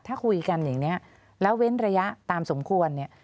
ถ้าคุยกันอย่างนี้แล้วเว้นระยะตามสมควรเนี่ย